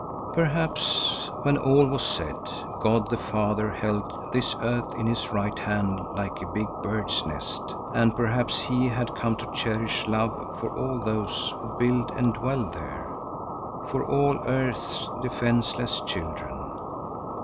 Perhaps, when all was said, God the Father held this earth in His right hand like a big bird's nest, and perhaps He had come to cherish love for all those who build and dwell there, for all earth's defenceless children.